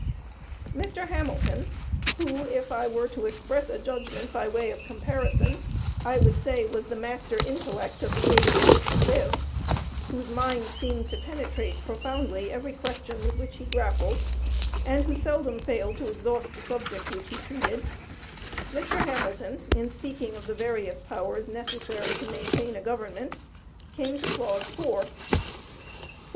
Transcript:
Mr. Hamilton, who, if I were to express a judgment by way of comparison, I would say was the master intellect of the age in which he lived, whose mind seemed to penetrate profoundly every question with which he grappled, and who seldom failed to exhaust the subject which he treated Mr. Hamilton, in speaking of the various powers necessary to maintain a Government, came to clause four: "4.